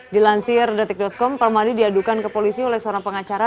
dilansir detik com permadi diadukan ke polisi oleh seorang pengacara